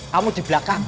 kamu di belakang